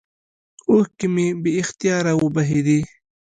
اوښکې مې بې اختياره وبهېدې.